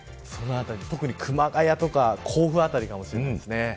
特に熊谷とか甲府辺りかもしれないです。